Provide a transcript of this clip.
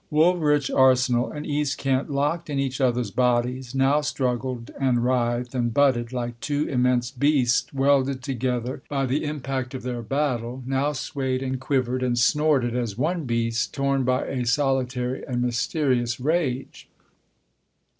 Woolwich Arsenal and East Kent, locked in each other's bodies, now struggled and writhed and butted like two immense beasts welded together Tasker Jevons by the impact of their battle, now swayed and quivered and snorted as one beast torn by a solitary and mysterious rage.